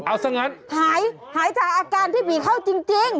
เอาซะงั้นหายหายจากอาการที่ผีเข้าจริง